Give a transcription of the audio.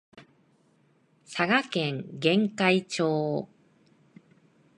佐賀県玄海町